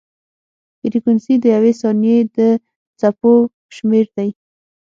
فریکونسي د یوې ثانیې د څپو شمېر دی.